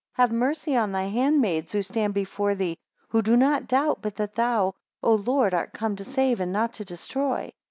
have mercy on thy handmaids, who stand before thee, who do not doubt, but that thou, O Lord, art come to save, and not to destroy.